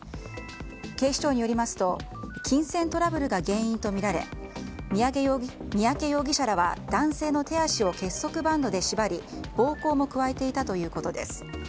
警視庁によりますと金銭トラブルが原因とみられ三宅容疑者らは男性の手足を結束バンドで縛り暴行も加えていたということです。